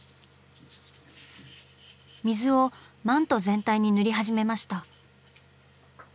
水をマント全体に塗り始めました。